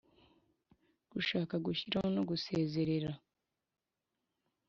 Gushaka gushyiraho no gusezerera